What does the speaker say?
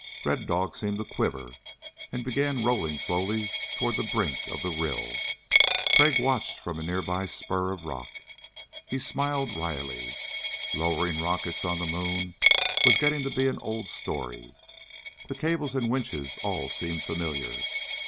Red Dog seemed to quiver, and began rolling slowly toward the brink of the rill. Crag watched from a nearby spur of rock. He smiled wryly. Lowering rockets on the moon was getting to be an old story. The cables and winches all seemed familiar.